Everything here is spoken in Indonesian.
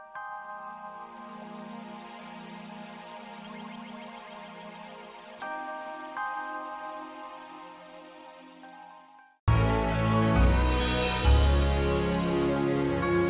dipandang ke lingkungan yang ada di tempat hidangan